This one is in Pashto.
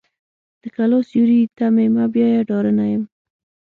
د کلا سیوري ته مې مه بیایه ډارنه یم.